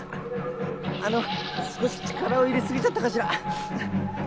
あの少し力を入れすぎちゃったかしら。